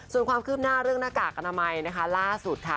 ส่วนความคืบหน้าเรื่องหน้ากากอนามัยนะคะล่าสุดค่ะ